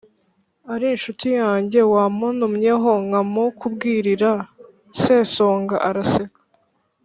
ari inshuti yange, wamuntumyeho nkamukubwirira?” Sesonga araseka